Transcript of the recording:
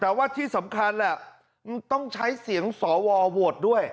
แต่ว่าที่สำคัญแหละต้องใช้เสียงสวโหวตด้วย